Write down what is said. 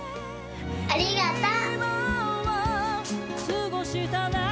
ありがとう。